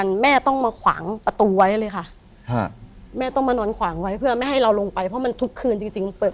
แล้วจอดเก็บไว้อย่างนี้ค่ะมอเตอร์ไซค์